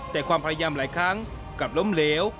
แต่ความพยายามหลายครั้งกลับล้มเหลว